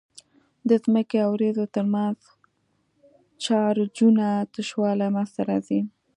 د ځمکې او وريځو ترمنځ چارجونو تشوالی منځته راځي.